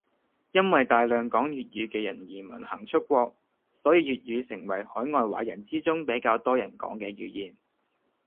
因為大量講粵語嘅人移民行出國，所以粵語成為海外華人之中比較多人講嘅語言